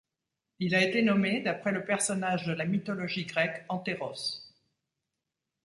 Il a été nommé d'après le personnage de la mythologie grecque Antéros.